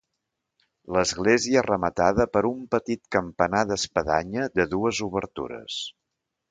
L'església és rematada per un petit campanar d'espadanya de dues obertures.